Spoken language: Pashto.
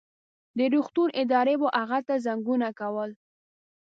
د روغتون ادارې به هغه ته زنګونه کول.